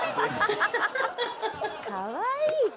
かわいいか。